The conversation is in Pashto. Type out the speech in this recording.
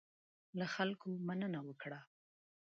له خلکو مننه وکړه.